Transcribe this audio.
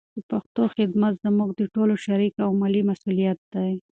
د پښتو خدمت زموږ د ټولو شریک او ملي مسولیت دی.